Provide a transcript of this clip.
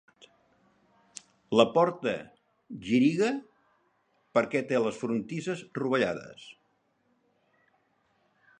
La porta giriga perquè té les frontisses rovellades.